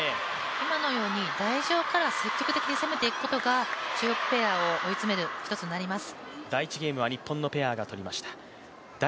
今のように台上から積極的に攻めていくことが中国ペアを追い詰める１つになります。